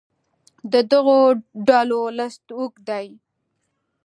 د دغو ډلو لست اوږد دی.